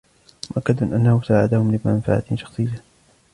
مؤكّدٌ أنه ساعدهم لمنفعة شخصية.